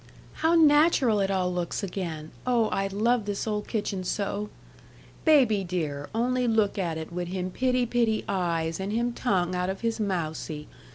'How natural it all looks again! Oh, I love this old kitchen so! Baby dear, only look at it wid him pitty, pitty eyes, and him tongue out of his mousy!